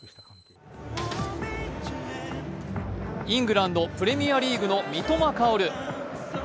イングランド・プレミアリーグの三笘薫。